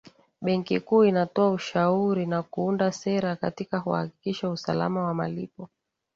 benki kuu inatoa ushauri na kuunda sera katika kuhakikisha usalama wa malipo